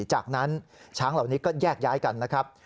จากนั้นช้างเหล่านี้ก็แยกย้ายกันนะครับ